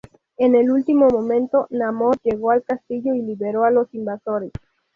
En el último momento, Namor llegó al castillo y liberó a los Invasores.